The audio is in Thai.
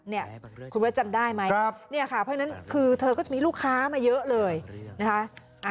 เนี่ยคุณเวทจำได้ไหมเนี่ยค่ะเพราะฉะนั้นคือเธอก็จะมีลูกค้ามาเยอะเลยนะคะ